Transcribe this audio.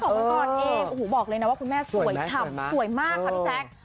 เมื่อก่อนเองโอ้โหบอกเลยนะว่าคุณแม่สวยฉ่ำสวยมากค่ะพี่แจ๊ค